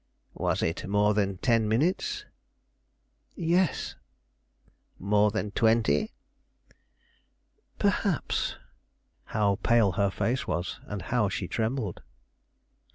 "Was it more than ten minutes?" "Yes." "More than twenty?" "Perhaps." How pale her face was, and how she trembled!